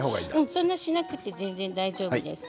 そんなにしなくても大丈夫です。